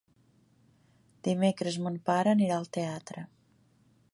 Dimecres mon pare anirà al teatre.